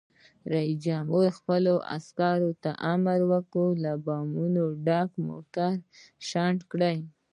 رئیس جمهور خپلو عسکرو ته امر وکړ؛ له بمونو ډک موټر شنډ کړئ!